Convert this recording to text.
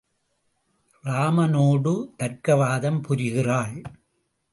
ராமனோடு தர்க்கவாதம் புரிகிறாள்.